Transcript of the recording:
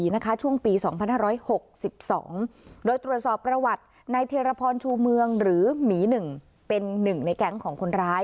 นะคะช่วงปี๒๕๖๒หรือแทรพรชูเมืองหรือหมีหนึ่ง